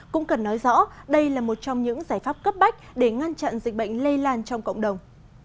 cũng cần nói rõ đây là một trong những giải pháp cấp bách để ngăn chặn dịch bệnh lây lan trong cộng đồng